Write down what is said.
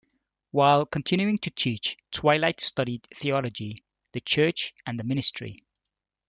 While continuing to teach, Twilight studied theology, the church and the ministry.